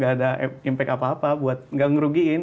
gak ada impact apa apa buat nggak ngerugiin